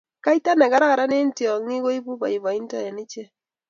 Kaita ne kararan eng tionging ko ibu boibointo eng ichek